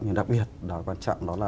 nhưng đặc biệt là quan trọng đó là